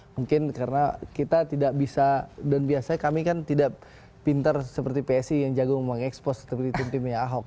mungkin karena kita tidak bisa dan biasanya kami kan tidak pinter seperti psi yang jago mengekspos seperti tim timnya ahok